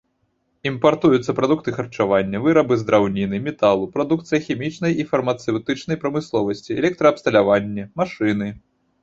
Імпартуюцца прадукты харчавання, вырабы з драўніны, металу, прадукцыя хімічнай і фармацэўтычнай прамысловасці, электраабсталяванне, машыны.